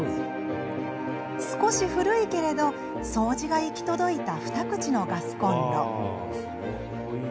少し古いけれど掃除が行き届いた二口のガスコンロ。